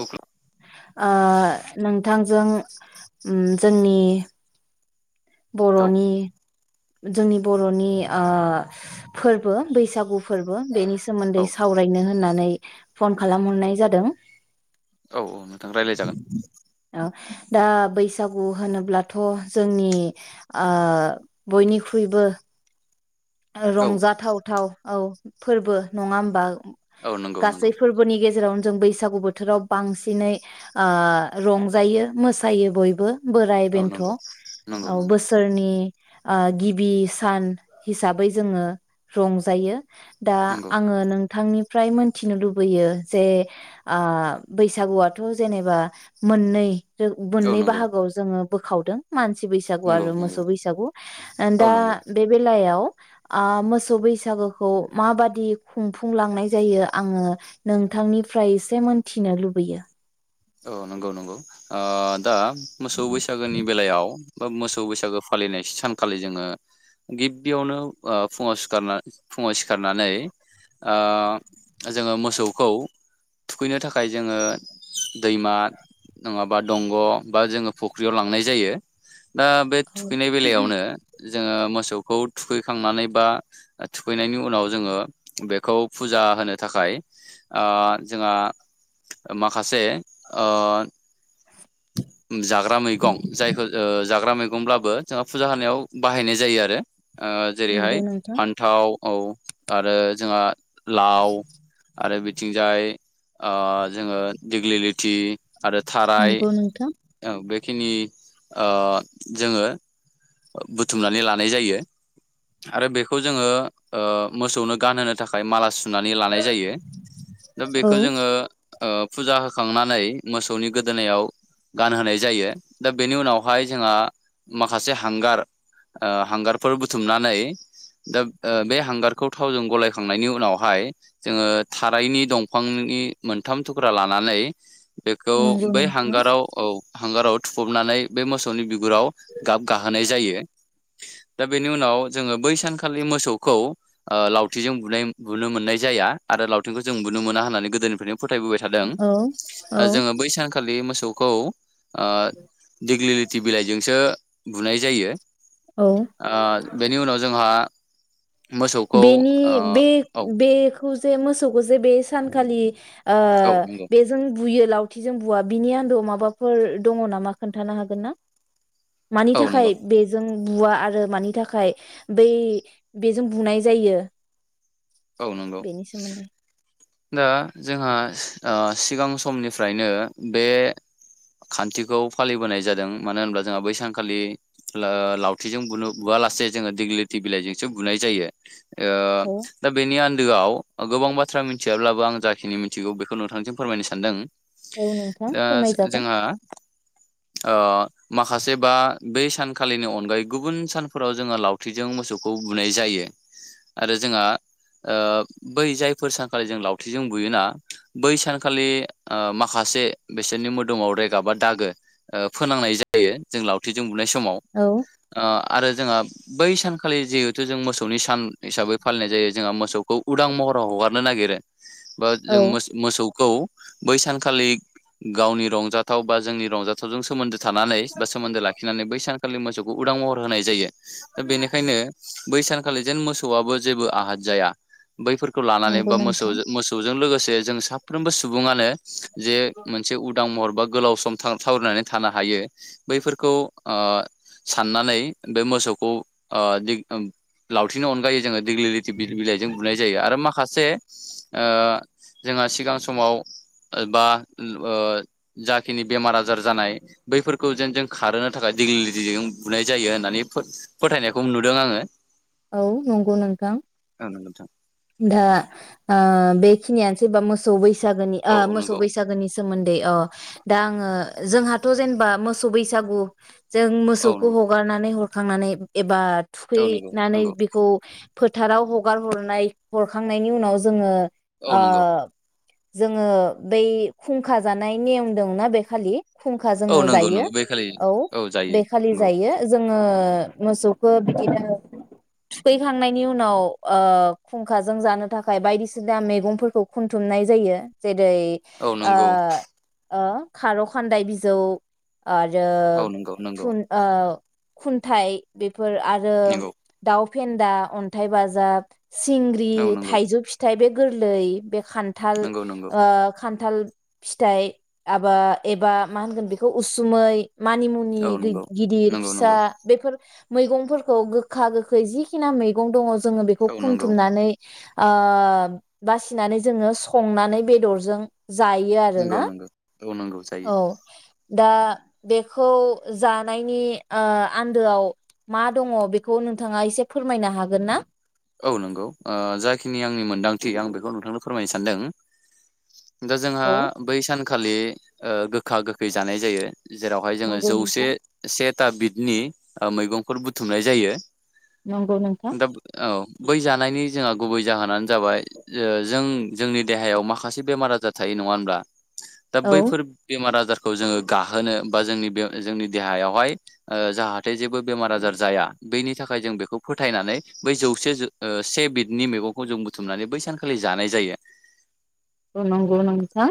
औ खु ओ नोंथांजों उम जोंनि औ बर'नि जोंनि बर'नि ओ फोरबो बैसागु फोरबो बेनि औ सोमोन्दै सावरायनो होननानै फन खालामहरनाय जादों औ औ नोंथां रायलाय जागोन ओ दा बैसागु होनोब्लाथ' जोंनि ओ बयनिख्रुइबो औ रंजाथाव थाव औ फोरबो नङा होमबा औ नंगौ नंगौ गासै फोरबोनि गेजेरावनो जों बैसागु बोथोराव बांसिनै ओ रंजायो मोसायो बयबो बोराइ बेन्थ' औ नंगौ नंगौ बोसोरनि आ गिबि सान हिसाबै जोङो रंजायो दा नंगौ आङो नों नोंथांनिफ्राय मोनथिनो लुबैयो ओ जे बैसागुआथ' जेनेबा मोननै औ मोननै नंगौ बाहागोआव जोङो बोखावदों मानसि बैसागु नंगौ आरो नंगौ मोसौ बैसागु औ दा नंगौ बे बेला बेलाव ओ मोसौ बैसागुखौ माबादि खुंफुंलांनाय जायो आङो नोंथांनिफ्राय एसे मोनथिनो लुबैयो औ नंगौ नंगौ ओ दा मोसौ बैसागोनि बेलायाव बा मोसौ बैसागो फालिनाय सानखालि जोङो गिबियावनो ओ फुङाव सिखारना फुङाव सिखारनानै जोङो ओ मोसौखौ थुखैनो थाखाय जोङो दैमा नङाबा दंग' बा जोङो फुख्रियाव लांनाय जायो दा बे औ थुखैनाय बेलायावनो जोङो मोसौखौ थुखैखांनानै बा थुखैनायनि उनाव जोङो बेखौ फुजा होनो थाखाय ओ जोंहा माखासे ओ जाग्रा मैगं जायखौ ओ जाग्रा मैगंब्लाबो जोंहा फुजा होनायाव बाहायनाय जायो आरो ओ नंगौ जेरैहाय नोंथां। फान्थाव औ आरो जोंहा लाव आरो बिथिंजाय ओ जोङो दिग्लि लि थि आरो थाराय नंगौ नोंथां औ बे खिनि ओ जोङो बुथुमनानै लानाय जायो आरो बेखौ जोङो ओ मोसौनो गानहोनो थाखाय माला सु नानै लानाय जायो दा औ बेखौ जोङो ओ फुजा होख होखांनानै मोसौनि गोदोनायाव गानहोनाय जायो दा बेनि उनावहाय जोंहा माखासे हांगार ओ हांगारफोर बुथुमनानै दा बे हांगारखौ थावजों गलायखांनायनि उनावहाय जोङो थारायनि दंफांनि मोनथाम थुख्रा लानानै [inaudible] बेखौ नंगौ बै नोंथां हांगाराव औ हांगाराव थुफबनानै बे मोसौनि बिगुराव गाब गाहोनाय जायो दा बेनि उनाव जोङो बै सानखालि मोसौखौ ओ लावथिजों बुनाय बुनो मोननाय जाया आरो लावथिंखौ जों बुनो मोना होननानै गोदोनिफ्रायनो फोथायबोबाय थादों औ औ ओ जोङो बै सानखालि बे मोसौखौ ओ दिग्लि लिथि बिलाइजोंसो बुनाय जायो औ ओ बेनि उनाव जोंहा मोसौखौ बेनि ओ बे औ बेखौ जे मोसौखौ जे बे सानखालि ओ औ नंगौ बेजों बुयो लावथिजों बुवा बिनि आन्दोआव माबाफोर दङ नामा खोन्थानो हागोन ना? मानि औ थाखाय नंगौ बेजों बुवा आरो मानि थाखाय बै बेजों बुनाय जायो औ नंगौ बेनि सोमोन्दै दा जोंहा ओ सिगां समनिफ्रायनो बे खान्थिखौ फालिबोनाय जादों मानो होनब्ला जोंहा बै सानखालि ला लावथिजों बुनो बुवालासे जोङो दिग्लिथि बिलाइजोंसो बुनाय जायो। औ ओ बेनि आन्दोआव गोबां बाथ्रा मिथियाब्लाबो आं जाखिनि मिथिगौ बेखौ नोंथांजों फोरमायनो सानदों। औ नोंथां दा फोरमायजागोन। जोंहा ओ माखासे बा बै सानखालिनि अनगायै गुबुन सानफोराव जोङो लावथिजों मोसौखौ बुनाय जायो आरो जोंहा ओ बै जायफोर सानखालि जों लावथिजों बुयोना बै सानखालि ओ माखासे बिसोरनि मोदोमाव रेगा बा दागो ओ फोनांनाय जायो जों लावथिजों बुनाय समाव औ आ आरो जोंहा बै सानखालि जिहेथु जों मोसौनि सान हिसाबै फालिनाय जायो। जोंहा मोसौखौ उदां महराव हगारनो नागिरो। बा जों औ मो मोसौ खौ बै सानखालि गावनि रंजाथाव बा जोंनि रंजाथावजों सोमोन्दो थानानै बा सोमोन्दो लाखिनानै बै सानखालि मोसौखौ उदां महर होनाय जायो। दा बेनिखायनो बै सानखालि जेन मोसौआबो जेबो आहाद जाया बैफोरखौ लानानै नंगौ बा मोसौ नोंथां मोसौजों लोगोसे जों साफ्रोमबो सु सुबुङानो जे मोनसे उदां महर बा गोलाव सम थाव थावरिनानै थानो हायो बैफोरखौ ओ साननानै बे मोसौखौ दिग लावथिनि अनगायै जोङो दिग्लि लि दिबिल बिलाइजों बुनाय जायो आरो माखासे ओ जोंहा सिगां समाव बा जाखिनि बेमार आजार जानाय बैफोरखौ जेन जों खारहोनो थाखाय दिग्लि लिथिजों बुनाय जायो होननानै फोथायनायखौ नुदों आङो औ नंगौ नोंथां नंगौ नोंथां दा आ बेखि खिनिया सोरबा मोसौै बैस बैसागोनि ओ औ मोसौ नंगौ बैगासोनि सोमोन्दै ओ दा आङो जोंहाथ' जेनेबा मोसौ बैसागु जों औ मोसौखौ हगारनानै हर खांनानै एबार नंगौ औ नंगौ थुखैनानै बेखौ फोथाराव हगार हर ओ नंगौ जोङो बै खुंखा जानाय नेयम दंना बे खालि खुंखा औ नंगौ जोङो औ नंगौ जायो नंगौ बे खालि औ जायो बेखालि नंगौ जायो जोङो मोसौखौ बिदिनो थुखैखांनायनि उनाव ओ खुंखाजों जानो थाखाय बायदिसिना मैगंफोरखौ खनथुमनाय जायो जे दै औ ओ नंगौ ओ खार' खान्दाय बिजौ आरो औ नंगौ नंगौ थुन ओ खुनथाय बेेब फोर आरो नंगौ दाव फेन्दा अन्थाइ बाजाब सिंग्रि औ नंगौ थाइजौ फिथ फिथाइ बे गोरलै बे खानथाल ओ नंगौ नंगौ खान खान्थाल फिथाइ आबा एबा मा होनगोन बेखौ उसुमै मानिमुनि औ गि नंगौ गिदिर नंगौ फिसा नंगौ बेफोर मैगंफोरखौ गोखा गोखै जिखिना मैगं दङ जोङो बेखौ औ नंगौ खुनथुमनानै ओ बासिनानै जोङो संनानै बेदरजों जायो नंगौ आरोना नंगौ औ नांगौ जायो औ दा बेखौ जानायनि ओ आन्दोआव मा दङ बेखौ नोंथाङा एसे फोरमायनो हागोन ना? औ नंगौ ओ जाखिनि आंनि मोन्दांथि आं बेखौ नोंथांनो फोरमायनो सानदों दा जोंहा औ बै सान खालि गोखा गोखै जानाय जायो जेरावहाय जोङो नंगौ जौसे नोंथां से था बिदनि मैगंफोर बुथुमनाय जायो नंगौ नोंथां दा औ बै जानायनि जोंहा गुबै जाहोनानो जाबाय जों जोंनि देहायाव माखासे बेमार आजार थायो नङा होनब्ला दा औ बैफोर बेमार आजार खौ जोङो गाहोनो बा जोंनि बे जोंनि देहायावहाय ओ जाहाथे जेबो बेमार आजार जाया बेनि थाखाय जों बेखौ फोथायनानै बै जौसे ज से बिदनि मैगंखौ जों बुथुमनानै बै सानखालि जानाय जायो औ नंगौ नोंथां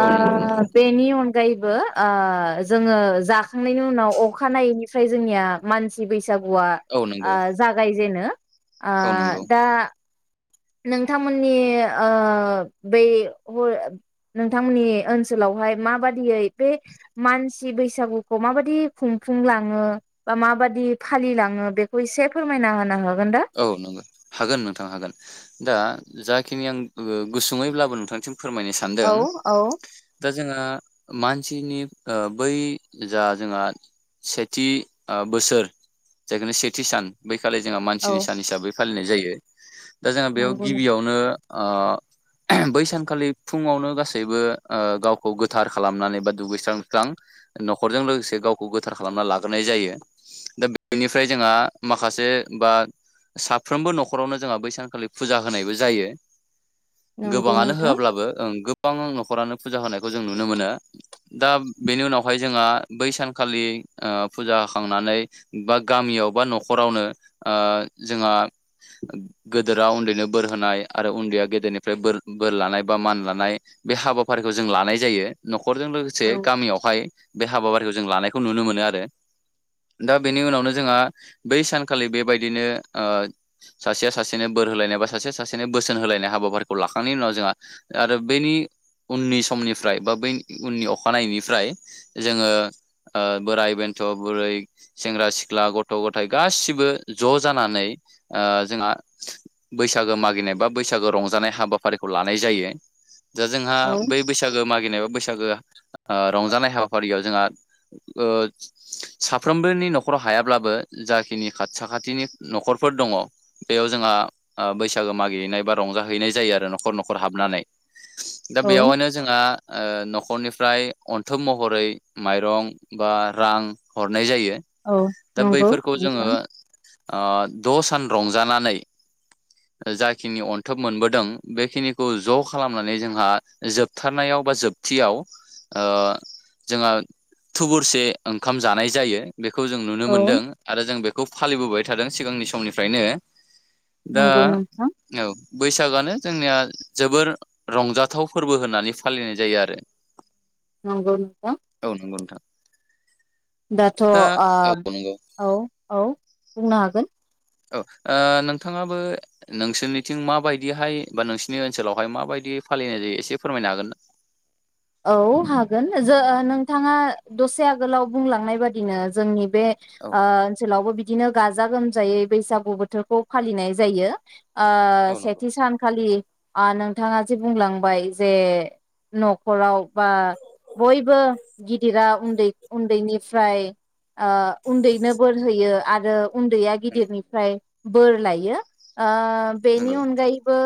औ नंगौ नोंथां बेनि थां अनगायैबो जोङो जाखांनायनि उनाव अखानायैनिफ्राय जोंनिया मानसि बै बैसागुआ औ नंगौ जागाय जेनो आ औ नंगौ दा नोंथांमोननि बै नोंथांमोननि ओनसोलावहाय माबादियै बे मानसि बैसागुखौ माबायदि खुंफुंलाङो बा माबादि फालिलाङो बेखौ एसे फोरमायना होना हो औ नंगौ हागोन नोंथां हागोन दा जाखिनि आं गोसोङैब्लाबो नोंथांसिम फोरमायनो औ सानदों औ दा जोंहा मानसिनि बै जा जोंहा सेथि बोसोर जायखु सेथि सान बैखालि जों औ मानसिनि सान हिसाबै फालिनाय जायो दा जोंहा बेयाव नंगौ नों गिबियावनो बै सानखालि फुङावनो गासैबो गावखौ गोथार खालामनानै बा दुगैस्रां स्रां नखरजों लोगोसे गावखौ गोथार खालामना लाग्रोनाय जायो दा बेनिफ्राय जोंहा माखासे बा साफ्रोमबो नखरावनो जोंहा बै सानखालि फुजा होनायबो जायो नंगौ गोबाङानो नोंथां होआब्लाबो गोबां नखरानो फुजा होनायखौ जों नुनो मोनो दा बेनि उनावहाय जोंहा बै सानखालि फुजा होाखांनानै बा गामियाव बा नखरावनो ओ जोंहा गोदोरा उन्दैनो बोर होनाय आरो उन्दैया गेदेरनिफ्राय बोर बोर लानाय बा मान लानाय बे हाबाफारिखौ जों लानाय जायो नखर नखरजों लोगोसे गामियावहाय बे हाबाफारिखौ जों लानायखौ नुनो मोनो आरो दा बेनि उनावनो जोंहा बै सानखालि बेबायदिनो सासेया सासेनो बोर होलायनाय बा सासेया सासेनो बोसोन होलायनाय हाबाफारिखौ लाखांनायनि उनाव जोंहा आरो बेनि उननि समनिफ्राय बा बै उननि अखानायनायनिफ्राय जोङो बोराइ बेन्थ बुरै सेंग्रा सिख्ला गथ गथाय गासिबो ज जा नानै जोंहा बैसागो मागिनाय बा बैसागो रंजानाय हाबाफारिखौ लानाय जायो दा जोंहा औ बै बैसागो मागिनाय बा बैसागो रंजानाय हाबाफारियाव जोंहा साफ्रोमबोनि नखराव हायाब्लाबो जाखिनि खाथि साखाथिनि नखरफोर दङ बेयाव जोंहा बैसागो मागिहैनाय बा रंजाहैनाय जायो आरो नखर नखर हाबनानै दा औ बेयावायनो जोंहा नख खरनिफ्राय अनथुम महरै माइरं बा रां हरनाय जायो। औ दा नंगौ बैफोरखौ जोङो नोंथां। ओ द सान रंजानानै जाखिनि अन्थब मोनबोदों बेखिनिखौ ज खालामनानै जोंहा जोबथारनायाव बा जोबथियाव जोंहा थुबुरसे ओंखाम जानाय जायो। बेखौ जों नुनो औ मोनदों आरो जों बेखौ। खौ फालिबोबाय। थादों सिगांनि समनिफ्रायनो दा नंगौ नोंथां औ बैसागानो जोंनिया जोबोर रंजाथाव फोरबो होननानै फालिनाय जायो आरो। नंगौ नोंथां औ नंगौ नोंथां दाथ दा नंगौ औ औ बुंनो हागोन। औ नोंथाङाबो नोंसोरनिथिं माबायदिहाय बा नोंसिनि ओनसोलावहाय माबायदि फालिनाय जायो एसे फोरमायनो हागोन ना। औ हागोन जों ओ नोंथाङा दसे आगोलाव बुंलांनाय बादिनो जोंनि बे औ ओ ओनसोलावबो बि बिदिनो गाजा गोमजायै बैसागु बोथोरखौ फालिनाय जायो। ओ औ नंगौ सेथि सानखालि नोंथाङा जे बुंलांबाय जे न। खराव बा बयबो गिदिरा उन्दै उन्दैनिफ्राय उन्दैनो बोर होयो। आरो उन्दैया नंगौ गिदिरनिफ्राय बोर लायो ओ नंगौ बेनि अनगायैबो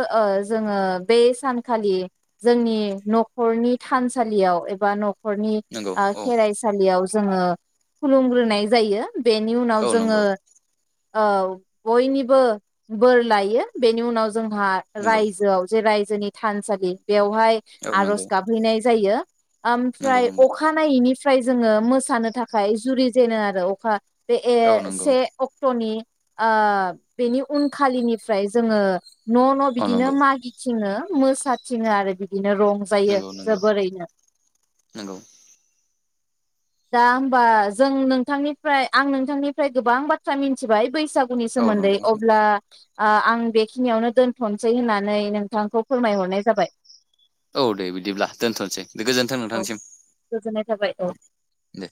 जोङो बे सानखालि जोंनि न खरनि थानसालियाव एबा न। खरनि नंगौ औ खेरायसालिया जोङो खुलुमग्रोनाय जायो। बेनि उनाव औ जोङो। नंगौ औ बयनिबो बोर लायो बेनि उनाव जोंहा नंगौ रायजोआव जे जोंनि थानसालि बेवहाय औ नंगौ आरज हैनाय जायो। नंगौ ओमफ्राय नंगौ अखानायैनि फ्राय जोङो मोसानो थाखाय जुरि जेनो आरो अखा बे ए औ नंगौ से अक्टनि आ बेनि उनखालिनिफ्राय जोङो न न औ बिदिनो नंगौ मागिथिङो। मोसाथिनो आरो बिदि नो रंजायो नोंगौ नोंगौ। जोबोरैनो दा होमबा जों नोंथांनिफ्राय आं नोंथांनिफाय गोबां बाथ्रा मिन्थिबाय। बैसागुनि औ सोमोन्दै नंगौ अब्ला आ आं बेखिनियावनो दोन्थसै होननानै नोंथांखौ फोरमायहरनाय जाबाय। औ दे बि दिब्ला दोनथ'नसै गोजोन्थों औ नोंथांसिम गोजोननाय थाबाय औ। दे।